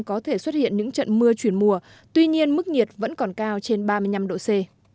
có thể xuất hiện những trận mưa chuyển mùa tuy nhiên mức nhiệt vẫn còn cao trên ba mươi năm độ c